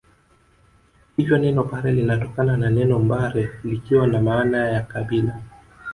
Hivyo neno Pare linatokana na neno mbare likiwa na maana ya kabila